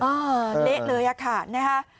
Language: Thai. เออเละเลยค่ะนะฮะ